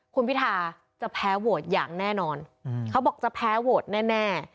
คุณพิทาจะแพ้โหวตอย่างแน่นอนเขาบอกจะแพ้โหวตแน่